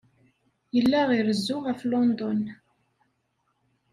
Yella irezzu ɣef London.